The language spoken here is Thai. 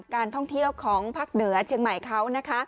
การท่องเที่ยวของภาคเหนือเชียงใหม่เขานะคะ